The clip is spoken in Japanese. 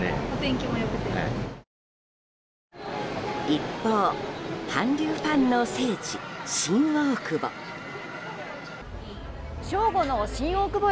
一方、韓流ファンの聖地新大久保。